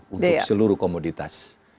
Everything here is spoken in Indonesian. untuk seluruh komoditas